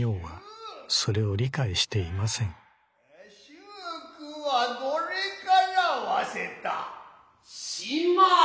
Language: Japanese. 秀句はどれからはせた。